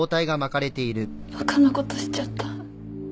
バカなことしちゃった。